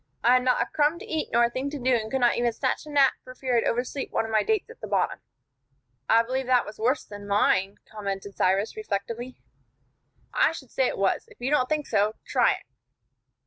I had not a crumb to eat nor a thing to do, and could not even snatch a nap for fear I'd oversleep one of my dates at the bottom." "I believe that was worse than mine," commented Cyrus, reflectively. "I should say it was. If you don't think so, try it."